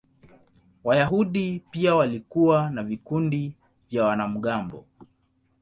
Wayahudi pia walikuwa na vikundi vya wanamgambo.